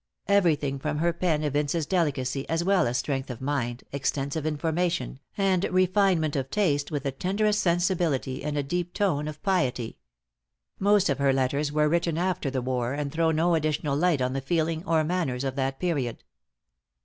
Everything from her pen evinces delicacy as well as strength of mind, extensive information, and refinement of taste, with the tenderest sensibility, and a deep tone of piety. Most of her letters were written after the war, and throw no additional light on the feeling or manners of that period.